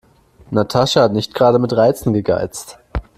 Natascha hat nicht gerade mit Reizen gegeizt.